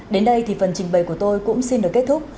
đến đây thì phần trình bày của tôi cũng xin được kết thúc